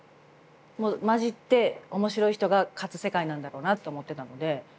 もう交じって面白い人が勝つ世界なんだろうなと思ってたので。